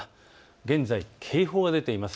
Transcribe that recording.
現在、警報が出ています。